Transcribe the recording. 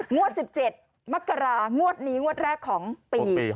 งวด๑๗มกรางวดนี้งวดแรกของปี๖